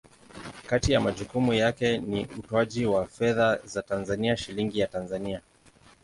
Kati ya majukumu yake ni utoaji wa fedha za Tanzania, Shilingi ya Tanzania.